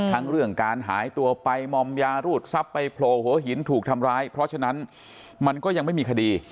เรื่องการหายตัวไปมอมยารูดทรัพย์ไปโผล่หัวหินถูกทำร้ายเพราะฉะนั้นมันก็ยังไม่มีคดี